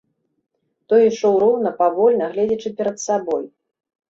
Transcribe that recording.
Той ішоў роўна, павольна, гледзячы перад сабой.